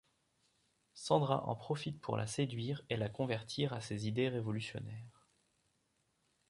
Sandra en profite pour la séduire et la convertir à ses idées révolutionnaires.